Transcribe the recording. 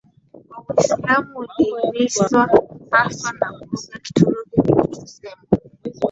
kwa Uislamu ulihimizwa haswa na lugha Kituruki kilichosemwa